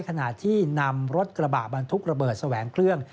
ขณะที่นำรถกระบะบรรทุกระเบิดแสวงเครื่อง